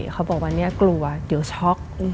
เขาบอกว่าเนี่ยกลัวเดี๋ยวช็อก